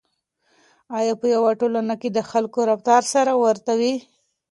آیا په یوه ټولنه کې د خلکو رفتار سره ورته وي؟